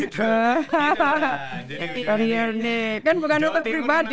karena ini bukan untuk pribadi